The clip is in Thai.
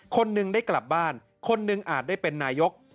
คนหนึ่งได้กลับบ้านคนหนึ่งอาจได้เป็นนายก